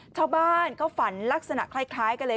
ชาวบ้านเขาฝันลักษณะคล้ายกันเลย